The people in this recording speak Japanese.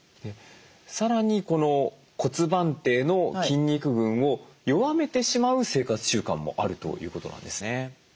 さらにこの骨盤底の筋肉群を弱めてしまう生活習慣もあるということなんですね。